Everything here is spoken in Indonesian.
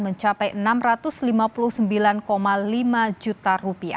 mencapai rp enam ratus lima puluh sembilan lima juta